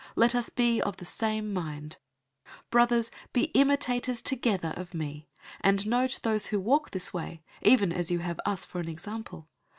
Let us be of the same mind. 003:017 Brothers, be imitators together of me, and note those who walk this way, even as you have us for an example.